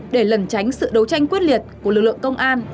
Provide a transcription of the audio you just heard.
để lần tránh sự đấu tranh quyết liệt của lực lượng công an